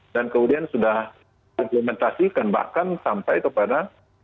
dan kemudian sudah implementasikan bahkan sampai itu pada